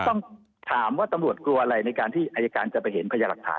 ต้องถามว่าตำรวจกลัวอะไรในการที่อายการจะไปเห็นพยาหลักฐาน